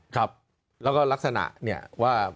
ครับแล้วก็ลักษณะเนี่ยว่า